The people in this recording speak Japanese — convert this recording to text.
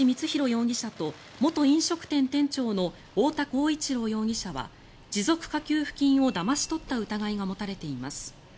容疑者と元飲食店店長の太田浩一朗容疑者は持続化給付金をだまし取った疑いが持たれています。